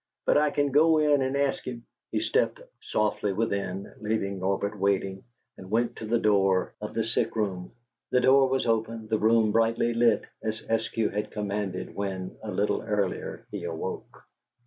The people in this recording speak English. "But I kin go in an' ast 'em." He stepped softly within, leaving Norbert waiting, and went to the door of the sick room. The door was open, the room brightly lighted, as Eskew had commanded when, a little earlier, he awoke.